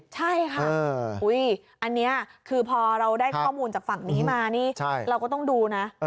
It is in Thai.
ใช่ค่ะอันนี้คือพอเราได้ข้อมูลจากฝั่งนี้มานี่เราก็ต้องดูนะ